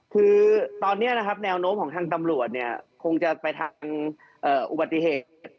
คือตอนนี้นะครับแนวโน้มของทางตำรวจเนี่ยคงจะไปทางอุบัติเหตุ